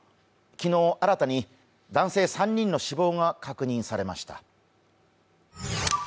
昨日、新たに男性３人の死亡が確認されました。